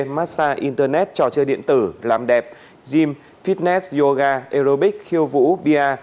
massage internet trò chơi điện tử làm đẹp gym fitness yoga aerobics khiêu vũ bia